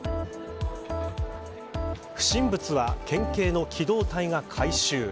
不審物は県警の機動隊が回収。